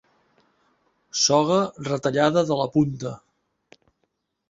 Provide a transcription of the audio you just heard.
Soga retallada de la punta.